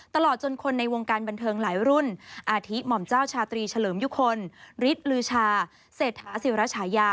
ตลอดจนคนในวงการบันเทิงหลายรุ่นอาทิหม่อมเจ้าชาตรีเฉลิมยุคลฤทธิ์ลือชาเศรษฐาศิรชายา